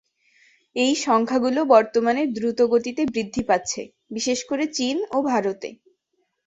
এই সংখ্যাগুলো বর্তমানে দ্রুতগতিতে বৃদ্ধি পাচ্ছে, বিশেষ করে চীন ও ভারতে।